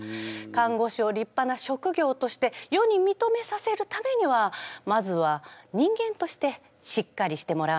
看護師を立派な職業として世にみとめさせるためにはまずは慎吾ママは人間としてしっかりしていますか？